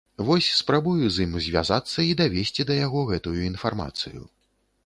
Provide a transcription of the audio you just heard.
Вось, спрабую з ім звязацца і давесці да яго гэтую інфармацыю.